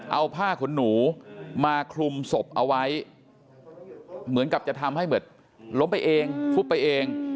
เอาผ้าขนหนูมาคลุมศพเอาไว้เหมือนกับจะทำให้เหมือนล้มไปเองฟุบไปเอง